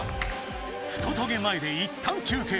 ふとトゲ前でいったん休けい。